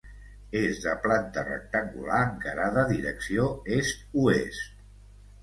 És de planta rectangular encarada direcció est-oest.